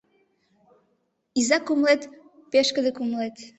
Иза кумылет — пешкыде кумылет